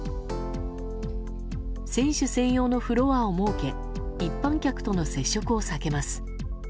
選手専用のフロアを設け一般客との接触を避けます。